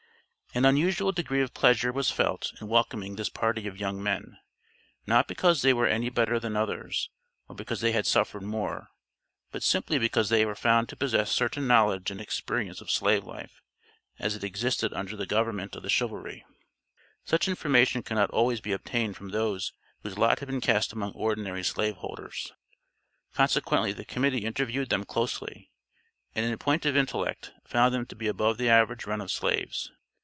An unusual degree of pleasure was felt in welcoming this party of young men, not because they were any better than others, or because they had suffered more, but simply because they were found to possess certain knowledge and experience of slave life, as it existed under the government of the chivalry; such information could not always be obtained from those whose lot had been cast among ordinary slave holders. Consequently the Committee interviewed them closely, and in point of intellect found them to be above the average run of slaves.